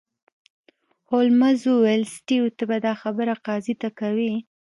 هولمز وویل سټیو ته به دا خبره قاضي ته کوې